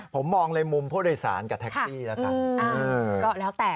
ผมมองเลยมุมพวกโดยสารกับแท็กซี่น่ะ